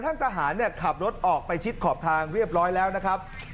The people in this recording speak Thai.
ท่านทหารขับรถออกไปชิดขอบทางเรียบร้อยแล้วนะครับ